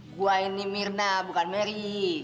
gue ini mirna bukan mary